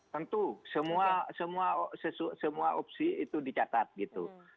tentu semua opsi itu dicatat gitu